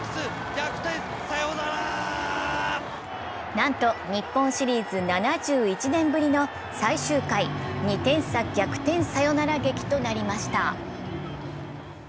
なんと日本シリーズ７１年ぶりの最終回２点差逆転サヨナラ劇となりました。